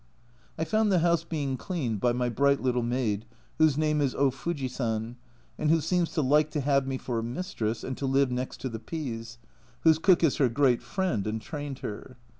I found the house being cleaned by my bright little maid, whose name is O Fuji san, and who seems to like to have me for a mistress and to live next to the P s, whose cook is her great friend, and trained her.